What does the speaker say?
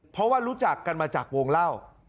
เพราะว่ารู้จักกันมาจากวงเล่า